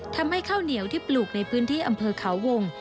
ข้าวเหนียวที่ปลูกในพื้นที่อำเภอเขาวง